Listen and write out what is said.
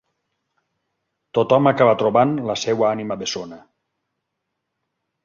Tothom acaba trobant la seva ànima bessona.